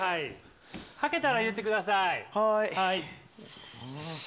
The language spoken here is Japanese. はけたら言ってください。